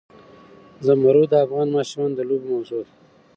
زمرد د افغان ماشومانو د لوبو موضوع ده.